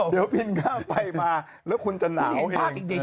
เดี๋ยวบินข้ามไปมาแล้วคุณจะหนาวไง